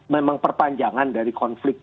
memang perpanjangan dari konflik